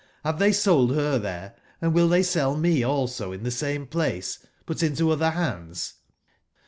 Have they sold her there, and will they sell me also in the same place, but intoother hands